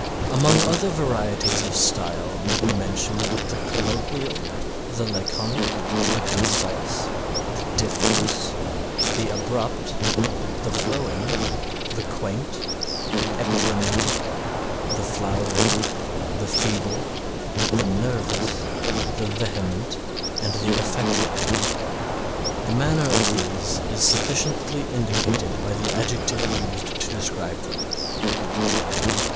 Among other varieties of style may be mentioned the colloquial, the laconic, the concise, the diffuse, the abrupt the flowing, the quaint, the epigrammatic, the flowery, the feeble, the nervous, the vehement, and the affected. The manner of these is sufficiently indicated by the adjective used to describe them.